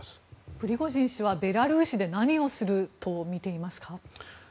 プリゴジン氏はベラルーシで何をすると見ていますか。